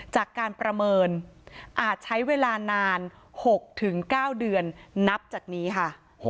จากการประเมินอาจใช้เวลานาน๖๙เดือนนับจากนี้ค่ะ